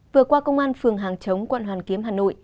vừa qua công an phường hàng chống quận hoàn kiếm hà nội